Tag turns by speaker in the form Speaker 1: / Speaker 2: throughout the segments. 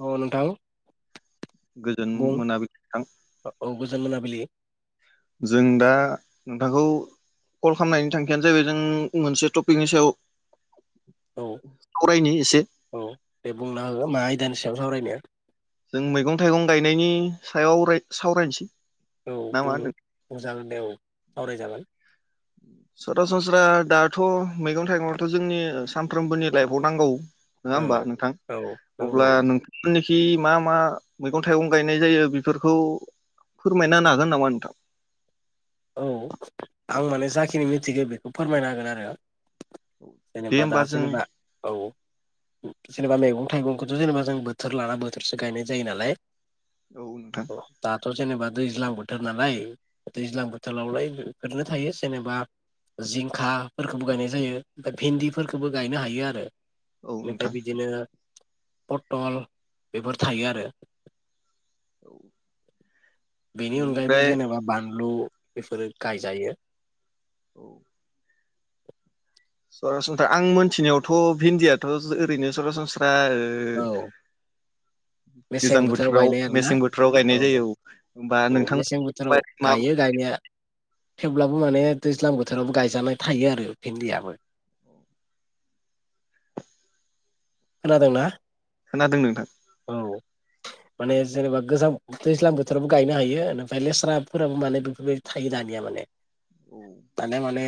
Speaker 1: अ नोथां।
Speaker 2: गोजोन मोनाबि थां
Speaker 1: जोन मोनाबिलि
Speaker 2: जों दा नोंथांखौ कल खामनायनि थांखियानो जाहैबाय जों मोनसे टपिकनि सायाव
Speaker 1: औ
Speaker 2: सावरायनि एसे
Speaker 1: औ दे बुंना हो मा आयदानि सायाव सावरायनो?
Speaker 2: जों मैगं थाइगं गायनायनि सायाव राय सावरायनसै
Speaker 1: औ बुङो जागोन दे औ सावरायजागोन।
Speaker 2: सरासनस्रा दाथ' मैगं थाइगङाथ' जोंनि सामफ्रोमबोनि लाइफआव नांगौ। नोङा
Speaker 1: औ
Speaker 2: ओनबा नोंथां
Speaker 1: औ
Speaker 2: अब्ला
Speaker 1: नांगौ
Speaker 2: नोंथां [unintelligible] खि मा मा मैगं थाइगं गायनाय जायो बेफोरखौ फोरमायना होनो हागोन नामा नोंथां?
Speaker 1: औ आं माने जाखिनि मिथिगो बेखौ फोरमायना होगोन आरो
Speaker 2: दे
Speaker 1: जेनेबा दा
Speaker 2: होमबा जों
Speaker 1: जेनेबा औ जेनेबा मैगं थाइगंखौथ' जेनेबा जों बोथोर लाना बोथोरसो गायनाय जायो नालाय ।
Speaker 2: औ नोंथां।
Speaker 1: थ' जेनेबा दैज्लां बोथोर नालाय दैज्लां बो थोलावलाय बे फोरनो थायो जेनेबा जिंखा फोरखौबो गायनाय जायो ओमफाय भिन्दिफोरखोबो गायनो हायो आरो
Speaker 2: औ
Speaker 1: नाथाय
Speaker 2: नोंथां
Speaker 1: बिदिनो पटल बेफोर थायो आरो
Speaker 2: औ
Speaker 1: बेनि अनगायैबो
Speaker 2: बेनिफ्राय
Speaker 1: जेनेबा बानलु बेफोरो गायजायो ।
Speaker 2: औ सरासनस्रा आं मोनथिनायावथ' भिन्दियाथ' ओरैनो सरासनस्रा
Speaker 1: औ
Speaker 2: [unintelligible]
Speaker 1: मेसें
Speaker 2: गोजां बोथोराव
Speaker 1: गायनाय आरो ना
Speaker 2: मेसें बोथोराव गायनाय जायो
Speaker 1: औ
Speaker 2: होमबा
Speaker 1: औ
Speaker 2: नोंथांमोन
Speaker 1: मेसें बोथोराव
Speaker 2: [unintelligible]
Speaker 1: गायो गायनाया थेवब्लाबो माने दैज्लां बोथोरावबो गायजानाय थायो आरो भिन्दियाबो । खोनादोंंना?
Speaker 2: खोनादों नोंथां।
Speaker 1: माने जेनेबा गोजां दैज्लां बोथोरावबो गायनो हायो नाथाइ लेस्राफोराबो माने बेफोरबायदि थायो दानिया माने।
Speaker 2: औ
Speaker 1: दानिया माने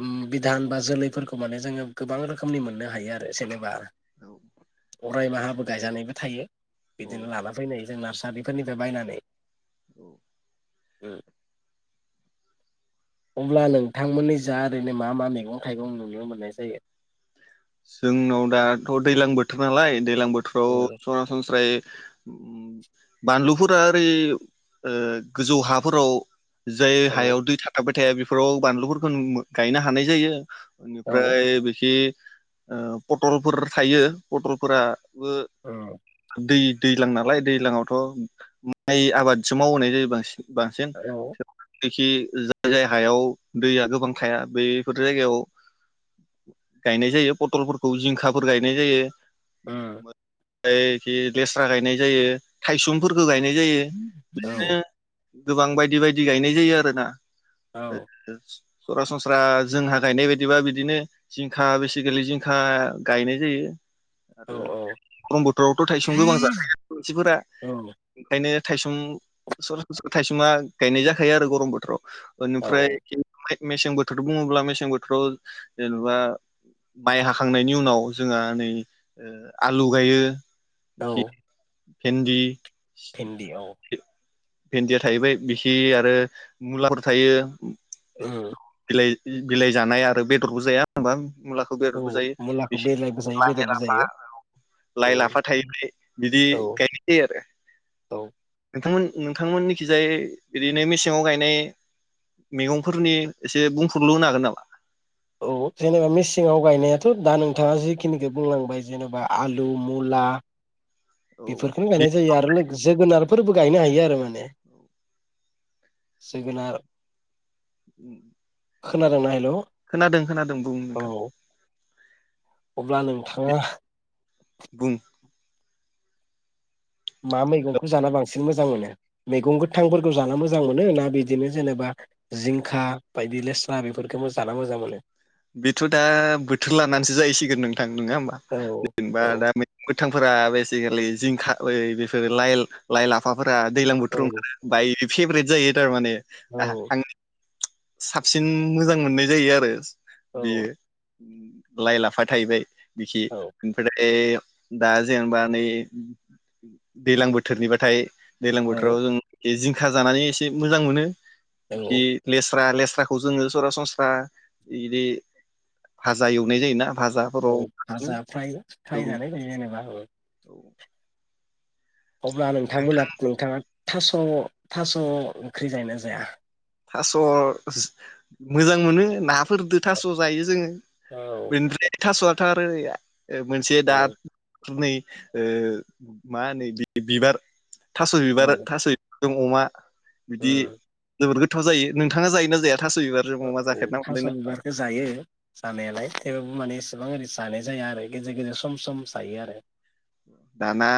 Speaker 1: उम बिधान बा जोलैफोरखौ माने जोङो गोबां रोखोमनि मोननो हायो आर जेनेबा
Speaker 2: औ
Speaker 1: अरायमाहाबो गायजानायबो थायो
Speaker 2: औ
Speaker 1: बिदिनो लाना फैनायो जों नार्स गामिफोरनिफ्राय बायनानै
Speaker 2: औ।
Speaker 1: ओ अब्ला नोंथांमोननि जा ओरैनो मा मा मैगं-थाइगं नुनो मोननाय जायो?
Speaker 2: जोंनाव दाथ' दैलां बोथोर नालाय दैज्लां बोथोराव
Speaker 1: औ
Speaker 2: सरासनस्रायै उम बानलुफोरा ओरै ओ गोजौ हाफोराव जाय
Speaker 1: औ
Speaker 2: हायाव दै थाबाय थाया बेफोराव बानलुफोरखो नु गायनो हानाय जायो।
Speaker 1: औ
Speaker 2: ओनिफ्राय बिखि ओ पटलफोर थायो पटलफोरा बो
Speaker 1: औ
Speaker 2: दै दैज्लां नालाय दैज्लांआवथ' माइ आबादसो मावहोनाय जायो बांसिन। बांसिन
Speaker 1: औ
Speaker 2: दै खि जाय जाय हायाव दैया गोबां थाया बैफोर जायगायाव गायनाय जायो। पटलफोरखौ जिंखाफोर गायनाय जायो। मो फाय ओखि लेस्रा गायनाय जायो। थायसुमफोरखो गायनाय जायो
Speaker 1: [inaudible] औ।
Speaker 2: गोबां बायदि बायदि गायनाय जायो आरोना।
Speaker 1: औ
Speaker 2: [unintelligible] सरासनस्रा जोंहा गायनाय बायदिबा बिदिनो जिंखा बेसे आथिखाललि जिंखा गायनाय जायो।
Speaker 1: औ
Speaker 2: आरो गरम बोथोरावथ' थाइसं गोबां जाख मानसिफोरा ओंखायनो थाइसुम सरस थाइसुमा गायनाय जाखायो आरो गरम बोथोराव। ओनोफ्राय
Speaker 1: औ
Speaker 2: मेसें बोथोर बुङोब्ला मेसें बोथोराव जेनेबा माइ हाखांनायनि उनाव जोंहा नै आलु गायो। एसे भिन्दी।
Speaker 1: भिनदी औ।
Speaker 2: भिन्दिया थाहैबाय बिखि आरो मुलाफोर थायो।
Speaker 1: ओ।
Speaker 2: बिलाइ बिलाइ जानाय आरो बेदरबो जाया होनबा। मुलाखौ
Speaker 1: औ
Speaker 2: बेररबो जायो
Speaker 1: मुलाखौ
Speaker 2: बिस
Speaker 1: बेलायबो जायो
Speaker 2: लाइ
Speaker 1: बेदरबो
Speaker 2: लाफा
Speaker 1: जायो
Speaker 2: लाइ लाफा थायनाय बिदि
Speaker 1: औ
Speaker 2: गायनाय जायो आरो
Speaker 1: औ
Speaker 2: नोंथांमोन। नोंथांमोननिखिजाय बिदिनो मेसेंाव गायनाय मैगंफोरनि एसे बुंफोरुरलु होनो हागोन नामा?
Speaker 1: औ जेनेबा मेसेंयाव गायनायाथ दा नोंथाङा जिखिनिखौ बुंलांबाय जेनेबा आलु मुला।
Speaker 2: औ
Speaker 1: बेफोरखौनो गायनाय जायो आरो लोगो। जोगोनारफोरबो गायनो हायो आरो माने। बे जोगोनार।
Speaker 2: उम
Speaker 1: खोनादोंना हेलौ
Speaker 2: खोनादों-खोनादों बुं नोंथां।
Speaker 1: अब्ला नोंथाङा।
Speaker 2: बुं।
Speaker 1: मा मैगंखौ जा बांसिन मोजां मोनो मैगं गोथांफोरखौ जाना मोजां मोनो ना बिदिनो जेनेबा जिंखा बायदि लेस्रा बेफोरखौबो जाना मोजां मोनो?
Speaker 2: बेथ दा बोथोर लानानैसो जाहैसिगोन नोंथां नोङा होमबा
Speaker 1: औ
Speaker 2: जेनेबा
Speaker 1: औ
Speaker 2: दा बेसेकेलि जिंखा ओ बेफोरो लाइ लाफा फ्रा दैज्लां बोथोर
Speaker 1: औ
Speaker 2: ओंखारो बाय। फेबेरद जायो थार माने।
Speaker 1: औ
Speaker 2: ओह आंनि साबसिन मोजां मोननाय जायो आरो बेयो लाइ लाफा थाहैबाय बिखि
Speaker 1: औ
Speaker 2: ओमफ्राय दा जेनेबा नै दैलां बोथोरनिबाथाय दैलां
Speaker 1: औ
Speaker 2: बोथोराव जों जिंखा जानानै एसे मोजां मोनो
Speaker 1: औ
Speaker 2: लेस्रा लेस खौ जोङो सरासनस्रा इदि भाजा एवनाय जायोना
Speaker 1: औ
Speaker 2: भाजाफोराव
Speaker 1: भाजा फ्रय फ्राय
Speaker 2: औ
Speaker 1: जानाय जायो जेनेबा अब्ला नोंथांमोना नोंथाङा थास' थास' ओंख्रि जायोना जाया?
Speaker 2: थास' मोजां मोनो नाफोरदो थास' जायो जोंङो
Speaker 1: औ
Speaker 2: थास' आथ आरो या ओ मोनसे
Speaker 1: औ
Speaker 2: दा [unintelligible] ओ माहोनो बिबार थास' बिबार
Speaker 1: औ
Speaker 2: थास' बि जों अमा बिदि
Speaker 1: उम
Speaker 2: जोबोर गोथाव जायो नोंथाङा जायोना जाया? थास' बिबारजों अमा
Speaker 1: औ
Speaker 2: जाफेरना
Speaker 1: थास'
Speaker 2: मोनदोंना
Speaker 1: बिबारखौ जायो जानायालाय थेवबो माने एसेबां ओरै जानाय जाया आरो गेजेर गेजेर सम सम जायो आरो
Speaker 2: दाना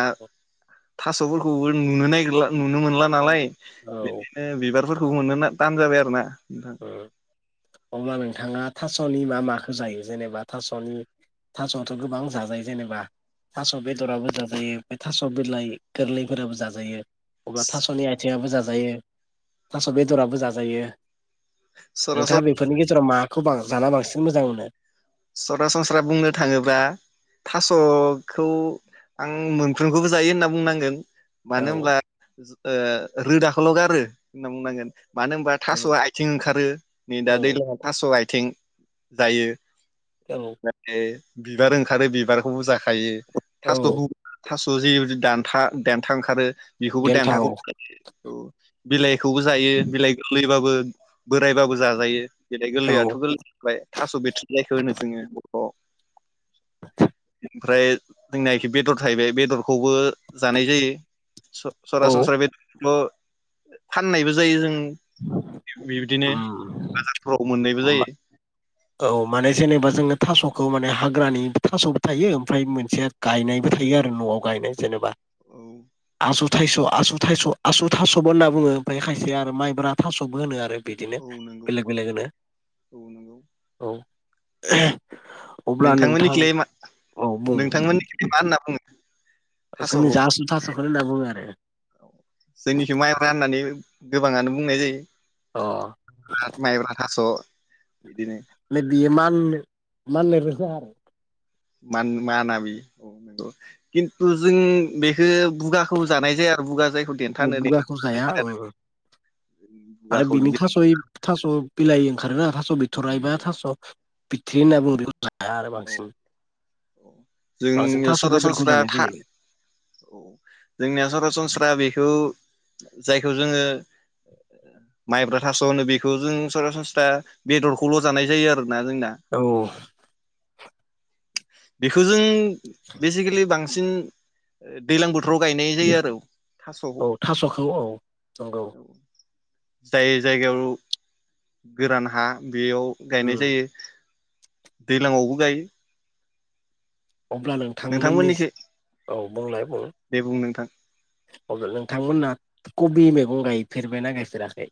Speaker 2: थास' फोरखौबो नुनो निगिरला नुनो मोनला नालाय
Speaker 1: औ
Speaker 2: बिदिनो बिबार फोर खौबो मोन'नो थान जाबाय आरो ना नोंथां
Speaker 1: ओ अब्ला नोंथाङा थास'नि मा माखो जायो जेनेबा थास'नि थास' आथ' गोबां जाजायो जेनेबा थास' बेदराबो जाजायो ओमफ्राय थास' बिलाइ गोरलैफोराबो जाजायो। अब्ला थास'नि आयथिङाबो जा जा जायो थास' बेदराबो जाजायो
Speaker 2: सरासन
Speaker 1: नोंथाङा बेफोरनि गेजेराव मा खौ बां जाना बांसिन मोजां मोनो ।
Speaker 2: सरासनस्रा बुंनो थाङोबा थास'खौ आं मोनफ्रोखौबो जायो होनना बुंनांगोन मानो
Speaker 1: औ
Speaker 2: होमब्ला ओ रोदाखौल' गारो होनना बुंनांगोन । मानो होनबा
Speaker 1: औ
Speaker 2: थास'आ आथिं ओंखारो नै दा दैज्लङ थास'आय थिं जायो [unintelligible]
Speaker 1: औ
Speaker 2: बिबार ओंखारो बिबारखौबो जाखायो ।
Speaker 1: औ
Speaker 2: थास' उ थास' जि दानथा देन्था ओंखारो बेखौबो
Speaker 1: देन्था
Speaker 2: देन्थाखौ
Speaker 1: औ
Speaker 2: औ बिलाइखौबो जायो बिलाइ गोललैबाबो बोरायबाबो जाजायो बेेरै गोरलै
Speaker 1: औ
Speaker 2: आथ गोरलै ओमफ्राय थास बिथ्रि देखौ होनो जोंनो बखथ' ।
Speaker 1: [unintelligible]
Speaker 2: ओमफ्राय जोंनाखि बेदर थायबाय बेदरखौबो जानाय जायो
Speaker 1: औ
Speaker 2: सरासनस्रा बेदर फाननायबो जायो जों बिबदिनो
Speaker 1: उम
Speaker 2: बाजारफ्राव मोननायबो जायो
Speaker 1: औ माने जेनेबा जोङो थासखौ माने हाग्रानि थासबो थायो ओमफ्राय मोनसे गायनायबो थायो आरो नआव गायनाय जेनेबा
Speaker 2: औ ।
Speaker 1: आसु थाइस आसु थाइस आसु थासबो होनना बुङो ओमफ्राय खायसे आरो माइब्रा थासबो होनो आरो बिदिनो
Speaker 2: औ नंगौ
Speaker 1: बेलेग बेलेग होनो
Speaker 2: औ नंगौ
Speaker 1: । [unintelligible]
Speaker 2: नोंथांमोननिखिलाय मा
Speaker 1: औ बुं
Speaker 2: नोंथांमोननि मा होनना बुङो थास ह
Speaker 1: जोंनि जा आसु थास'खौनो होनना बुङो आरो
Speaker 2: जोंनिखि माइ राननानै गोबाङानो बुंनाय जायो ।
Speaker 1: अ ।
Speaker 2: अ ।
Speaker 1: लो बियो मान माननाय रोजा आरो
Speaker 2: मान-मानाबि खिन्थु जों बेखो बुगाखौ जानाय जाया आरो बुगा जाय
Speaker 1: बुगाखौ जाया उं
Speaker 2: आरो
Speaker 1: आरो
Speaker 2: बुगाखौ
Speaker 1: बिनि
Speaker 2: बे
Speaker 1: थासय थास बिलाय खारोना थास बि थरायबा
Speaker 2: औ
Speaker 1: थास बिथ्रि होनना बुङो बेखौ जाया आरो
Speaker 2: औ
Speaker 1: बांसिन
Speaker 2: अ
Speaker 1: बांसिन
Speaker 2: जोंनिया
Speaker 1: थास' बेदरखौ
Speaker 2: सरासनस्रा
Speaker 1: जानाय
Speaker 2: था
Speaker 1: जायो
Speaker 2: औ जोंनिया सरासनस्रा बे बेखौ जायखौ जोंङो माइब्रा थास होनो बेखौ जों सरासनस्रा बेदरखौल जानाय जायो आरो ।
Speaker 1: औ ।
Speaker 2: बेखौ जों । बेसिकेलि बांसिन दैलां बो राव गायनाय जायो आरो थासखौ
Speaker 1: औ थास'खौ औ नंगौ
Speaker 2: । जाय जायगायाव गोरान हा बेयाव गायनाय
Speaker 1: उम
Speaker 2: जायो । दैलांयावबो । जायो ।
Speaker 1: अब्ला नोंथांमोननि
Speaker 2: नोंथांमोननिखै
Speaker 1: औ बुंलाय बुं,
Speaker 2: दे बुं नोंथां
Speaker 1: अब्ला नोंथांमोनना कबि मैगं गायफेरबायना गायफेराखै?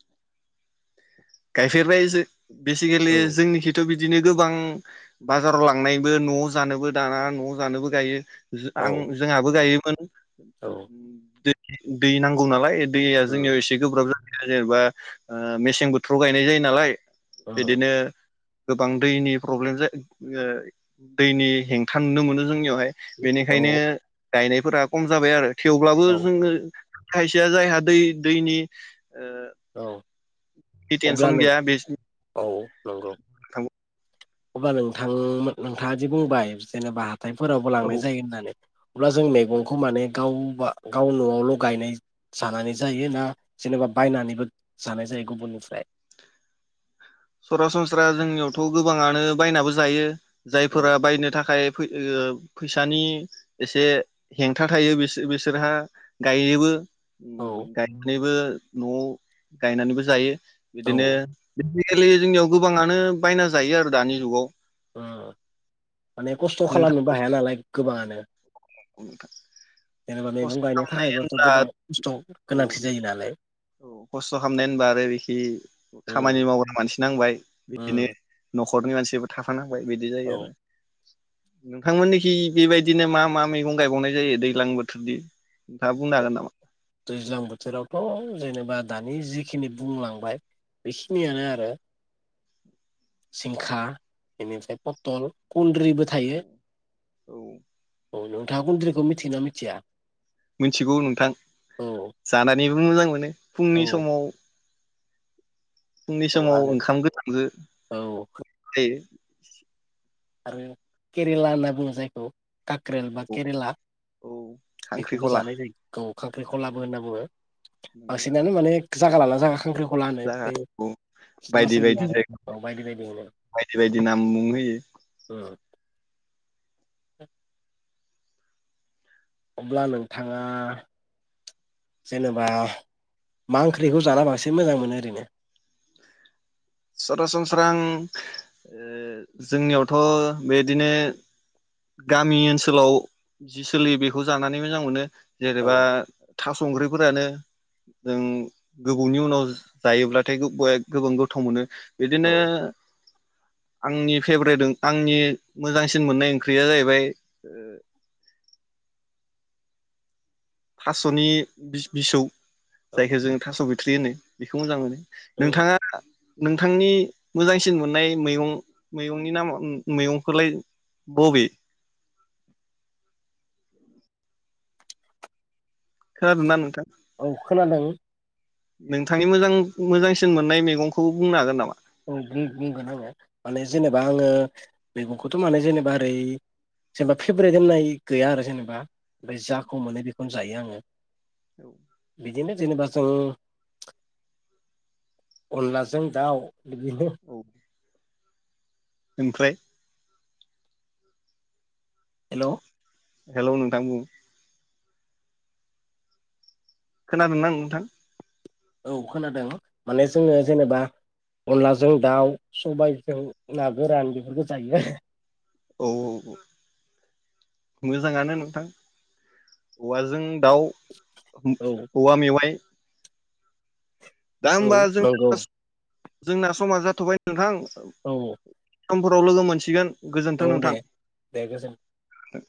Speaker 2: गायफेरबाय जो
Speaker 1: औ
Speaker 2: बेसिकेलि जोंनिखिथ बिदिनो गोबां बाजाराव लांनायबो न'आव जानोबो दाना न' जानोबो गायो। आं
Speaker 1: औ
Speaker 2: जोंहाबो गायो। फोन
Speaker 1: औ
Speaker 2: दै नांगौ नालाय दैया जोंनियाव
Speaker 1: उम
Speaker 2: एसे गोब्राब जायो। [unintelligible] बा ओ मेसें बोथ [unintelligible] गायनाय जायो नालाय।
Speaker 1: ओ
Speaker 2: बिदिनो गोबां दैनि प्रब्लेम जा ओ दैनि हेंथा नुनो मोनो जोंनियावहाय
Speaker 1: औ
Speaker 2: बेनिखायनो गायनायफोरा खम जाबाय आरो। थेवब्लाबो
Speaker 1: औ
Speaker 2: जोंङो खायसेया जायहा दै-दैनि
Speaker 1: औ अब्ला
Speaker 2: फिथेनसन
Speaker 1: नों
Speaker 2: गैया बेस
Speaker 1: औ नंगौ
Speaker 2: [unintelligible]
Speaker 1: अब्ला नोंथां मो नोंथाङादि बुंबाय जेनेबा थायफोरावबो लांनाय
Speaker 2: औ
Speaker 1: जायो होननानै। अब्ला जों
Speaker 2: औ
Speaker 1: मेगंखौ माने गाव बा गाव न'आवल गायनाय जानानै जायो। ना जेनेबा बायनानैबो जानाय जायो गुबुननिफ्राय
Speaker 2: सरासनस्रा जोंनियावथ' गोबांङानो बायनाबो जायो।
Speaker 1: औ
Speaker 2: जायफोरा बायनो थाखाय फै ओ फैसानि एसे हेंथा थायो बिस बिसोरहा गायोबो
Speaker 1: औ
Speaker 2: उम गायनायबो न'आव गायनानैबो जायो। बिदिनो [unintelligible] [unintelligible] जोंनियाव गोबाङानो बायना जायो आरो दानि जुगाव
Speaker 1: [unintelligible] माने खस्थ'
Speaker 2: नोंथांमोन
Speaker 1: खालामनोबो हाया नालाय। गोबांङानो
Speaker 2: [unintelligible]
Speaker 1: जेनेबा
Speaker 2: खस्थ'
Speaker 1: मेगं गायनो
Speaker 2: खालामनाय
Speaker 1: थाखायबोथ'
Speaker 2: होनब्ला
Speaker 1: गोबां खस्थ'
Speaker 2: औ
Speaker 1: गोनांथि जायो नालाय।
Speaker 2: औ खस्थ' खामनाय होनबाथाय बिखि
Speaker 1: उम
Speaker 2: खामानि मावग्रा मानसि नांबाय बिदिनो
Speaker 1: उम
Speaker 2: न'ख ख'रनि मानसिबो थाफा नां बाय बिदि जायो
Speaker 1: औ
Speaker 2: आरो नोंथांमोननिखि बेबायदिनो मा मा मैगं गायबावनाय जायो दैलां बोथोरदि नोंथाङा बुंनो हागोन नामा
Speaker 1: दैज्लां बोथोरावथ' जेनेबा दानि जिखिनि बुंलांबाय बेखिनियानो आरो जिंखा इनिफ्राय पटल कुन ट्रिबो
Speaker 2: औ
Speaker 1: थायो
Speaker 2: औ
Speaker 1: औ नोंथांया कुन्ट्रिखौ मिथियोना मिथिया
Speaker 2: मिनथिगौ नोंथां
Speaker 1: औ
Speaker 2: जानानै [unintelligible] मोजां मोनो फुंनि
Speaker 1: औ
Speaker 2: समाव फुंनि
Speaker 1: औ
Speaker 2: समाव
Speaker 1: आरो
Speaker 2: ओंखाम गोथां जो
Speaker 1: औ
Speaker 2: [unintelligible] [unintelligible]
Speaker 1: आरो केरेला होनना बुङो जायखौ काकक्रेल बा
Speaker 2: औ
Speaker 1: केरेला
Speaker 2: औ
Speaker 1: बेखौबो
Speaker 2: खांख्रिखला
Speaker 1: जानाय जायो गौ
Speaker 2: औ
Speaker 1: खांख्रिखलाबो होनना बुङो बांसिनानो माने जागा लाना जागा खांख्रि
Speaker 2: जा उम बायदि बायदि
Speaker 1: आरो
Speaker 2: जायगा
Speaker 1: औ बायदि बायदि होनो
Speaker 2: बायदि बायदि नाम मुं होयो।
Speaker 1: [unintelligible] [unintelligible] अब्ला नोंथाङा जेनेबा मा ओंख्रिखौ जाना बांसिन मोजां मोनो ओरैनो
Speaker 2: सरासनस्रा आं ओ जोंनियावथ' बेदिनो गामि ओनसोलाव जि सोलियो बेखौ जानानै मोजां मोनो।
Speaker 1: औ
Speaker 2: जेरेबा थास' ओंख्रिफोरानो जों गोबावनि उनाव जायोब्लाथाय गोब बया गोबां गोथाव मोनो बिदिनो
Speaker 1: औ
Speaker 2: आंनि फेब्रेट ओं आंनि मोजांसिन मोननाय ओंख्रिया जाहैबाय ओ थास'नि बिस बिसौ
Speaker 1: औ
Speaker 2: जायखौ जोङो थास' बिथ्रि होनो बेखौ मोजां मोनो नोंथाङा। नोंथांनि मोजांसिन मोननाय मैगं मैगंनि नामा मैगंखौलाय बबे? खोनादों ना नोंथां?
Speaker 1: औ खोनादों
Speaker 2: नोंथांनि मोजां मोजांसिन मोननाय मैगंखौ बुंनो हागोन नामा?
Speaker 1: औ बुं बुंगोन आङो माने जेनेबा आङो मैगंखौथ' माने जेनेबा ओरै जेनेबा फेभ्रेट होननाय गैया आरो जेनेबा ओमफ्राय जाखौ मोनो बेखौनो जायो आङो।
Speaker 2: औ।
Speaker 1: बिदिनो जेनेबा जों अनलाजों दाउ। बिदिनो।
Speaker 2: औ ओमफ्राय।
Speaker 1: हेलौ।
Speaker 2: हेलौ नोंथां बुं। खोनादों ना नोंथां?
Speaker 1: औ खोनादों माने जोङो जेनेबा अनलाजों दाउ सबायजों ना गोरान बेफोरखौ जायो।
Speaker 2: औ औ मोजाङानो नोंथां औवाजों दाउ।
Speaker 1: औ
Speaker 2: औवा मेवाय। दा
Speaker 1: औ
Speaker 2: होमबा जों
Speaker 1: नंगौ
Speaker 2: [unintelligible] जोंना समा जाथ'बाय नोंथां।
Speaker 1: औ।
Speaker 2: समफोराव लोगो मोनसिगोन।
Speaker 1: औ
Speaker 2: गोजोनथों
Speaker 1: दे दे गोजोन
Speaker 2: नोंथां। [inaudible]